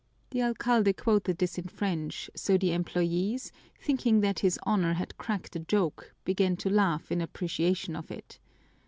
'" The alcalde quoted this in French, so the employees, thinking that his Honor had cracked a joke, began to laugh in appreciation of it.